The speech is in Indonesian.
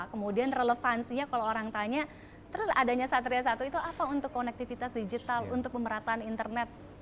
kemudian relevansinya kalau orang tanya terus adanya satria satu itu apa untuk konektivitas digital untuk pemerataan internet